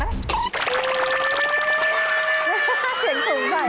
เสียงสงสัย